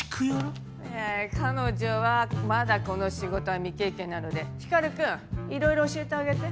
彼女はまだこの仕事は未経験なので光くんいろいろ教えてあげて。